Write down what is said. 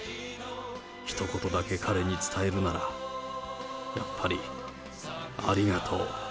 ひと言だけ彼に伝えるなら、やっぱり、ありがとう。